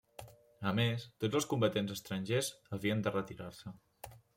A més, tots els combatents estrangers havien de retirar-se.